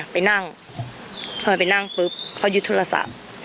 ไปนั่งเขายึดโทรศัทธ์